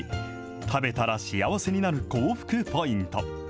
食べたら幸せになる口福ポイント。